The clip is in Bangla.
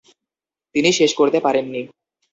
তিনি শেষ করতে পারেন নি।